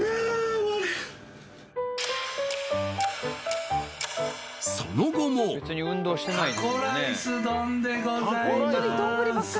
終わりその後もタコライス丼でございまーす